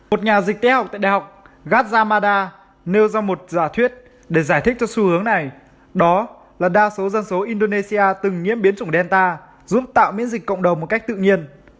một nhà dịch tễ học tại đại học gatzamada nêu ra một giả thuyết để giải thích cho xu hướng này đó là đa số dân số indonesia từng nhiễm biến chủng delta giúp tạo miễn dịch cộng đồng một cách tự nhiên